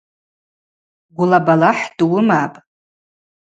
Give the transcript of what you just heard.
Гвла балахӏ дуымапӏ.